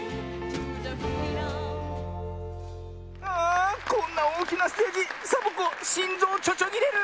あこんなおおきなステージサボ子しんぞうちょちょぎれる！